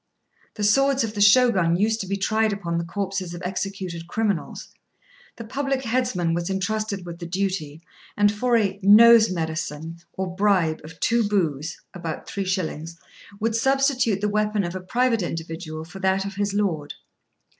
The swords of the Shogun used to be tried upon the corpses of executed criminals; the public headsman was entrusted with the duty, and for a "nose medicine," or bribe of two bus (about three shillings), would substitute the weapon of a private individual for that of his Lord.